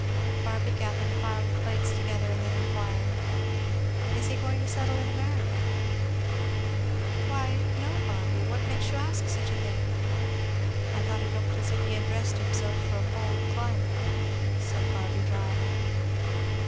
Barby gathered a pile of plates together and then enquired, "Is he going to settle in America?" "Why no, Barby! What makes you ask such a thing?" "I thought he looked as if he had dressed himself for a cold climate," said Barby dryly.